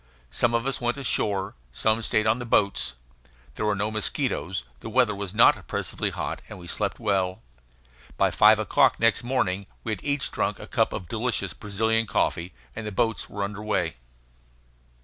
Some of us went ashore. Some stayed on the boats. There were no mosquitoes, the weather was not oppressively hot, and we slept well. By five o'clock next morning we had each drunk a cup of delicious Brazilian coffee, and the boats were under way.